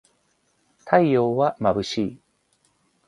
太陽はまぶしい